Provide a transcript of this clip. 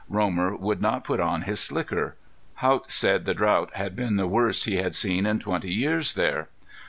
Romer would not put on his slicker. Haught said the drought had been the worst he had seen in twenty years there.